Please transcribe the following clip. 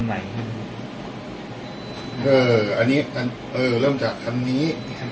อันนี้เออเริ่มจากอันนี้